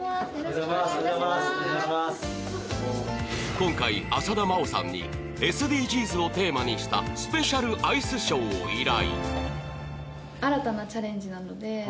今回、浅田真央さんにＳＤＧｓをテーマにしたスペシャルアイスショーを依頼。